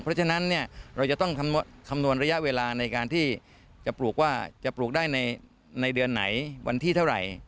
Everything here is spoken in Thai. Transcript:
เพราะฉะนั้นเราจะต้องคำนวณระยะเวลาในการที่จะปลูกว่าจะปลูกได้ในเดือนไหนวันที่เท่าไหร่